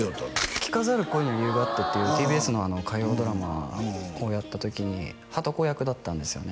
「着飾る恋には理由があって」っていうＴＢＳの火曜ドラマをやった時にはとこ役だったんですよね